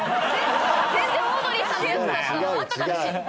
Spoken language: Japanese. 全然オードリーさんのやつだったのあとから知って。